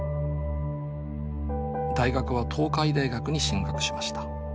大学は東海大学に進学しました。